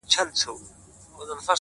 دا لوړ ځل و’ تر سلامه پوري پاته نه سوم’